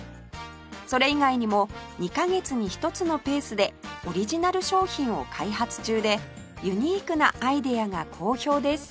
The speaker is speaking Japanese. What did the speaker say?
それ以外にも２カ月に１つのペースでオリジナル商品を開発中でユニークなアイデアが好評です